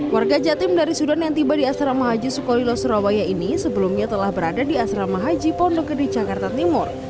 warga jatim dari sudan yang tiba di asrama haji sukolilo surabaya ini sebelumnya telah berada di asrama haji pondok gede jakarta timur